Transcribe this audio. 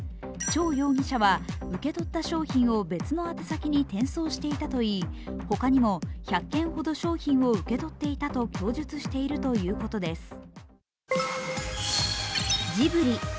張容疑者は受け取った商品を別の宛先に転送していたといい他にも１００件ほど商品を受け取っていたと供述しているということです。